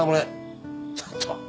ちょっと。